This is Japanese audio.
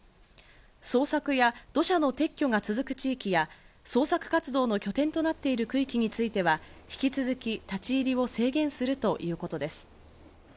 捜索や土砂の撤去が続く地域や捜索活動の拠点となっている区域については、引き続き立ち入りを制限するということです。